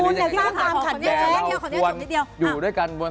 สังคมให้คุณภูมิให้ช่วย